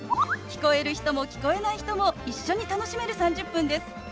聞こえる人も聞こえない人も一緒に楽しめる３０分です。